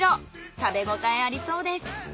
食べ応えありそうです。